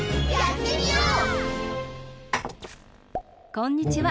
こんにちは。